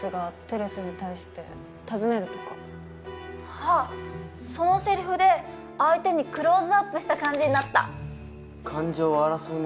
ああそのせりふで相手にクローズアップした感じになった。